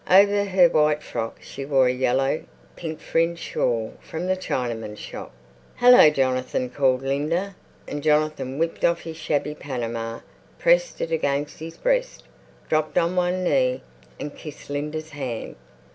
Over her white frock she wore a yellow, pink fringed shawl from the Chinaman's shop. "Hallo, Jonathan!" called Linda. And Jonathan whipped off his shabby panama, pressed it against his breast, dropped on one knee, and kissed Linda's hand.